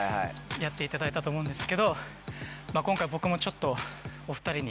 やっていただいたと思うんですけど今回僕もちょっとお２人に。